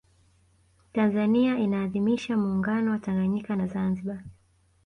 tanzania inaadhimisha muungano wa tanganyika na zanzibar